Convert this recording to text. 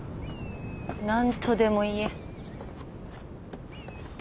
何とでも言え。